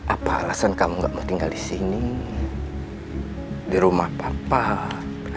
apa alasan kamu nggak mau tinggal di sini di rumah bapak ya